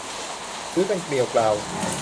ชื้อกันเกรียวกราว